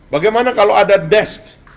bagaimana kalau ada desk